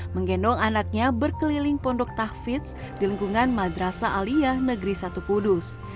menggendong anaknya berkeliling pondok tahfiz di lingkungan madrasa aliyah negeri satu kudus